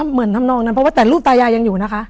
เหมือนทำนองนั้นเพราะว่าแต่รูปตายายยังอยู่นะคะ